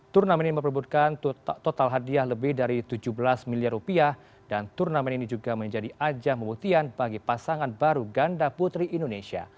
turnamen ini memperbutkan total hadiah lebih dari rp tujuh belas dan turnamen ini juga menjadi ajah membutian bagi pasangan baru ganda putri indonesia